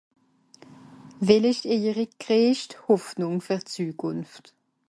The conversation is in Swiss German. Quelle est votre plus grand espoir pour l'avenir